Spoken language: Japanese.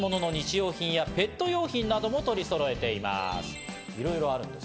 用品やペット用品なども取りそろえています。